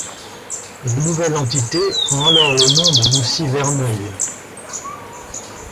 La nouvelle entité prend alors le nom de Moussy-Verneuil.